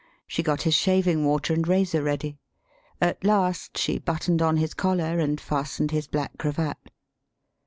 She got his shaving water and razor ready. At last she buttoned on his collar and fastened his black cravat.